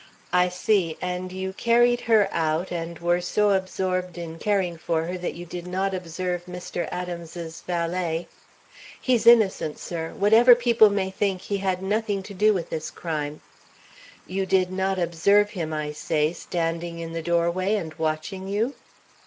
"I see, and you carried her out and were so absorbed in caring for her you did not observe Mr. Adams's valet " "He's innocent, sir. Whatever people may think, he had nothing to do with this crime " "You did not observe him, I say, standing in the doorway and watching you?"